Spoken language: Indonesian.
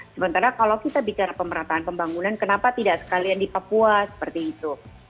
sementara kalau kita bicara pemerataan pembangunan kenapa tidak sekalian di papua seperti itu